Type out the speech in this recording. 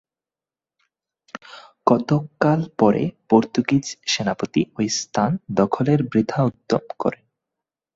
কতক কাল পরে পোর্তুগীজ সেনাপতি ঐ স্থান দখলের বৃথা উদ্যম করেন।